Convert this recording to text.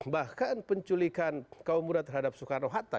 bahkan penculikan kaum muda terhadap soekarno hatta